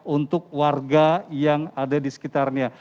untuk warga yang ada di sekitarnya